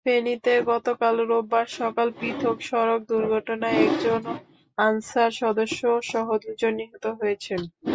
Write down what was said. ফেনীতে গতকাল রোববার সকালে পৃথক সড়ক দুর্ঘটনায় একজন আনসার সদস্যসহ দুজন নিহত হয়েছেন।